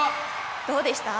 どうでした？